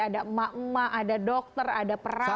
ada emak emak ada dokter ada perawat